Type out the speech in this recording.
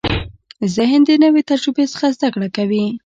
ذهن د نوې تجربې څخه زده کړه کوي.